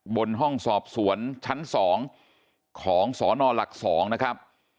บนห้องสอบสวนชั้น๒ของสนหลัก๒นะครับ